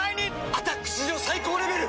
「アタック」史上最高レベル！